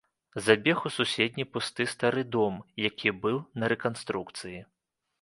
Забег у суседні пусты стары дом, які быў на рэканструкцыі.